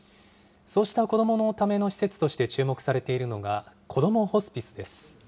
そうした子どものための施設として注目されているのがこどもホスピスです。